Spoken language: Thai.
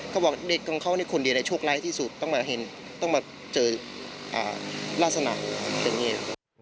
เขาบอกเด็กของเขาคนนี้คนเดียวในช่วงไร้ที่สุดต้องมาเห็นต้องมาเจอลักษณะอย่างนี้